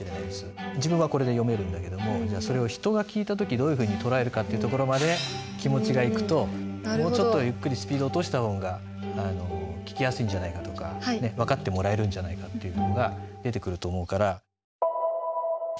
自分はこれで読めるんだけどもそれを人が聞いた時どういうふうに捉えるかっていうところまで気持ちがいくともうちょっとゆっくりスピードを落とした方が聞きやすいんじゃないかとかね分かってもらえるんじゃないかっていうのが出てくると思うから。